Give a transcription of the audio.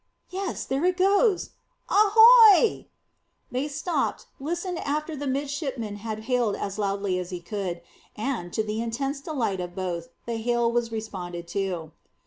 Yes; there it goes. Ahoy!" They stopped and listened after the midshipman had hailed as loudly as he could; and, to the intense delight of both, the hail was responded to.